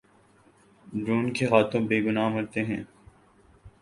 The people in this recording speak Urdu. ڈرون کے ہاتھوں بے گناہ مرتے ہیں۔